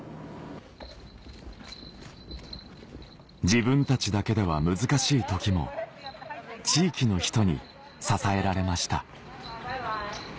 自分たちだけでは難しいときも地域の人に支えられましたバイバイ。